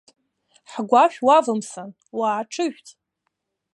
Ҳгәашә уавымсын, уааҽыжәҵ!